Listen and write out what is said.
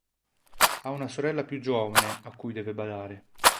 Ha una sorella più giovane a cui deve badare.